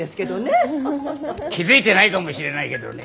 気付いてないかもしれないけどね